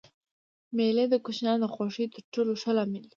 مېلې د کوچنيانو د خوښۍ تر ټولو ښه لامل دئ.